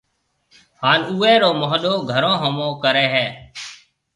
ھان اوئيَ رو موھنڏو گھرون ھومو ڪريَ ھيََََ